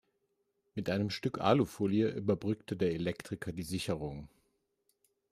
Mit einem Stück Alufolie überbrückte der Elektriker die Sicherung.